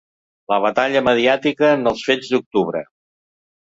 La batalla mediàtica en els ‘fets d’octubre’.